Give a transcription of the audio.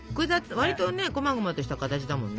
わりとねこまごまとした形だもんね。